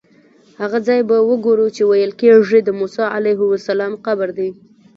هغه ځای به وګورو چې ویل کېږي د موسی علیه السلام قبر دی.